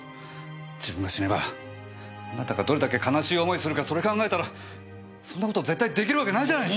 自分が死ねばあなたがどれだけ悲しい思いするかそれ考えたらそんな事絶対出来るわけないじゃないですか！